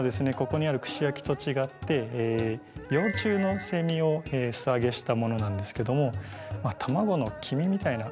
ここにある串焼きと違って幼虫のセミを素揚げしたものなんですけども卵の黄身みたいな味がしました。